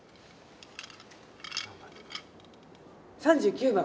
３９番。